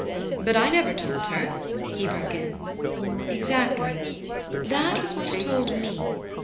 "But I never told her!" he broke in. "Exactly. That was what told me.